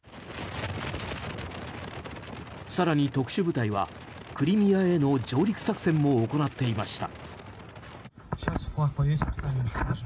更に特殊部隊はクリミアへの上陸作戦も行っていました。